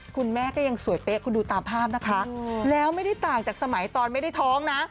คุณแม่ก็ยังสวยเป๊ะคุณดูตามภาพนะคะแล้วไม่ได้ต่างจากสมัยตอนไม่ได้ท้องนะ